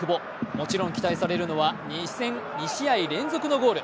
もちろん期待されるのは２試合連続のゴール。